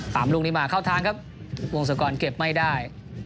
ตามลุงนี้มาเข้าทางครับวงศักรรณ์เก็บไม่ได้